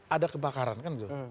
ada kebakaran kan itu